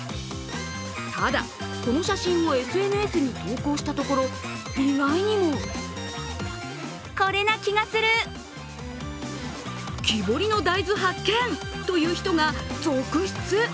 ただ、この写真をＳＮＳに投稿したところ、意外にも木彫りの大豆発見！という人が続出。